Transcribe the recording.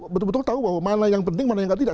betul betul tahu bahwa mana yang penting mana yang tidak